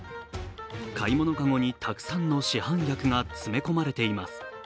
買い物かごにたくさんの市販薬が詰め込まれています。